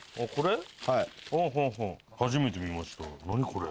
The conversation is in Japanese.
これ？